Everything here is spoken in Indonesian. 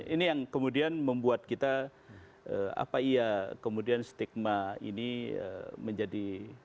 ini yang kemudian membuat kita apa iya kemudian stigma ini menjadi